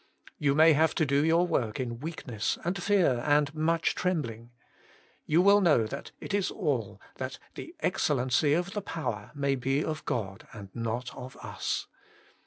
You may have to do your work in weakness and fear and much trembling. You will know that it is all, that the excellency of the power may be of God and not of us.